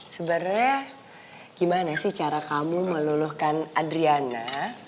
sebenarnya gimana sih cara kamu meluluhkan adriana